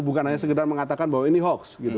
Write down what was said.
bukan hanya segedar mengatakan bahwa ini hoaks gitu